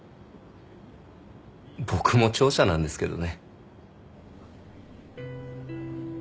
僕も聴者なんですけどね。